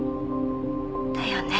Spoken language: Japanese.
だよね。